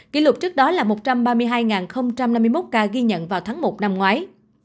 kỷ lục trước đó là một trăm ba mươi hai năm mươi một ca ghi nhận vào tháng một năm ngoái